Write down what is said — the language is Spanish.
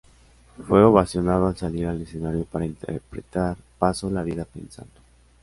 Fue ovacionado al salir al escenario para interpretar "Paso la vida pensando".